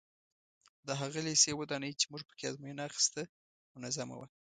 د هغه لېسې ودانۍ چې موږ په کې ازموینه اخیسته منظمه وه.